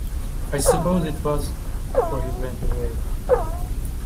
I suppose it was, for he went away.